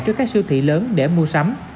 trước các siêu thị lớn để mua sắm